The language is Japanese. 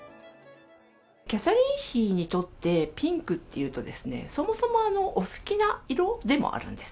キャサリン妃にとってピンクっていうとですね、そもそもお好きな色でもあるんです。